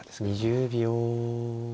２０秒。